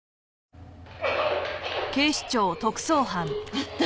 「」あった。